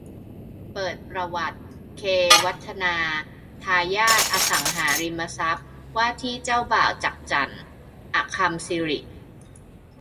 เปิดประวัติ เค วัฒนา ทายาทอสังหาริมทรัพย์ ว่าที่เจ้าบ่าว จั๊กจั่น อคัมย์สิริ